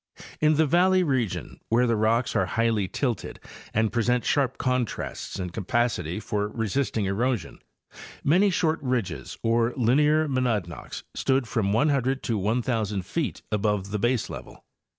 In the valley region where the rocks are highly tilted and present sharp ¢ontrasts in capacity for resisting erosion, many short ridges or linear monadnocks stood from 100 to 1,000 feet above the baselevel.